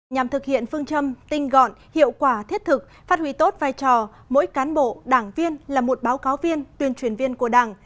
nhằm thực hiện phương châm tinh gọn hiệu quả thiết thực phát huy tốt vai trò mỗi cán bộ đảng viên là một báo cáo viên tuyên truyền viên của đảng